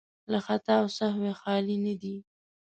له خطا او سهوی خالي نه دي.